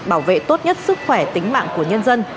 bảo vệ tốt nhất sức khỏe tính mạng của nhân dân